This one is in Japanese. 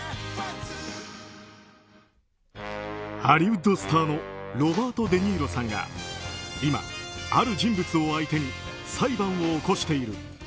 ハリウッドスターのロバート・デ・ニーロさんが今、ある人物を相手に裁判を起こしている。